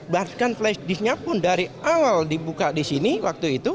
bahkan flash disknya pun dari awal dibuka di sini waktu itu